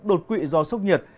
bột quỵ do sốc nhiệt